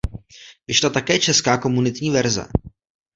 Vyšla také česká komunitní verze.